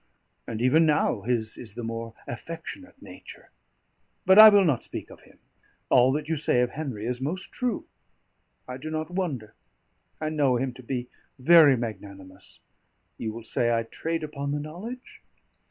And even now his is the more affectionate nature. But I will not speak of him. All that you say of Henry is most true; I do not wonder, I know him to be very magnanimous; you will say I trade upon the knowledge?